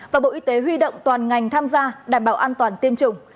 và bộ y tế huy động toàn ngành tham gia đảm bảo an toàn tiêm chủng